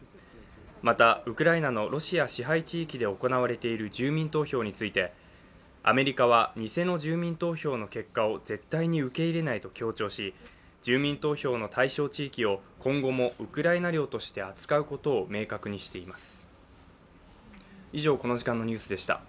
またウクライナのロシア支配地域で行われている住民投票について、アメリカは偽の住民投票の結果を絶対に受け入れないと強調し住民投票の対象地域を今後もウクライナ領として扱うことを明確にしています。